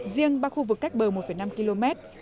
riêng ba khu vực cách bờ một năm km